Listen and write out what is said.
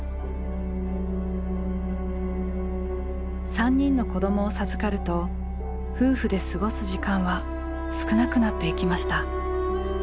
３人の子どもを授かると夫婦で過ごす時間は少なくなっていきました。